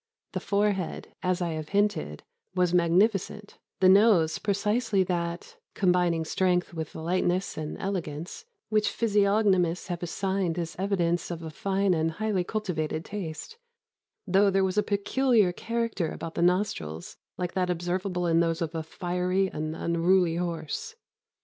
The forehead, as I have hinted, was magnificent; the nose precisely that (combining strength with lightness and elegance) which physiognomists have assigned as evidence of a fine and highly cultivated taste, though there was a peculiar character about the nostrils like that observable in those of a fiery and unruly horse.